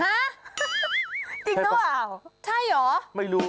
ฮะจริงก็เปล่าใช่หรอไม่รู้